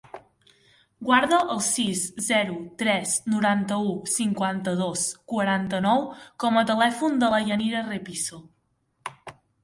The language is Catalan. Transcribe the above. Guarda el sis, zero, tres, noranta-u, cinquanta-dos, quaranta-nou com a telèfon de la Yanira Repiso.